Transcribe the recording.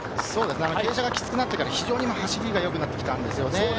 傾斜がきつくなってから非常に走りが良くなってきたんですね。